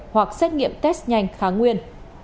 hoặc xét nghiệm test nhanh kháng nguyên